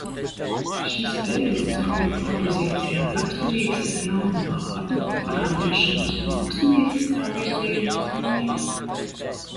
Šis periods angļu kompozīcijā raksturīgs ar jaunu vārdu parādīšanos un mākslinieciskā virziena maiņu.